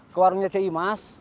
ke warungnya ce imas